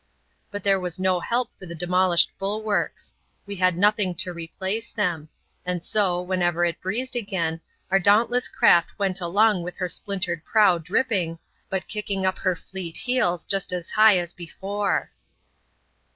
But there was no help for the demolished bulwarks ; we had nothing to replace them ; and so, whenever it breezed again, our dauntless craft went along with her splintered prow dripping, but kicking up her fleet heels just as hi p;/! a?, cefore.